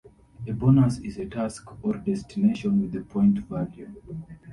A bonus is a task or destination with a point value.